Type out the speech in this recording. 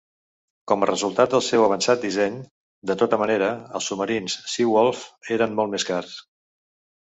Com a resultat del seu avançat disseny, de tota manera, els submarins "Seawolf" eren molt més cars.